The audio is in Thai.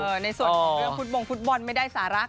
แล้วในส่วนของเรื่องฟุตบองฟุตบอลไม่ได้สาระกับอะไร